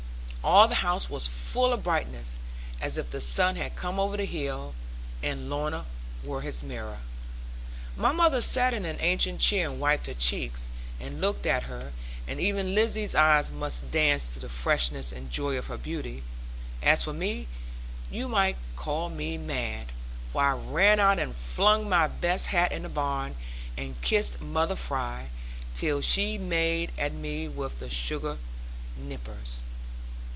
All the house was full of brightness, as if the sun had come over the hill, and Lorna were his mirror. My mother sat in an ancient chair, and wiped her cheeks, and looked at her; and even Lizzie's eyes must dance to the freshness and joy of her beauty. As for me, you might call me mad; for I ran out and flung my best hat on the barn, and kissed mother Fry, till she made at me with the sugar nippers.